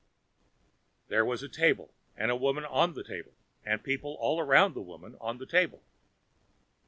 There was a table and a woman on the table and people all around the woman on the table.